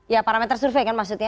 ya parameter survei kan maksudnya